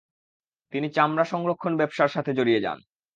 তিনি চামড়া সংরক্ষণ ব্যবসার সাথে জড়িয়ে যান।